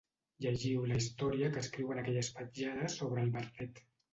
Llegiu la història que escriuen aquelles petjades sobre el verdet.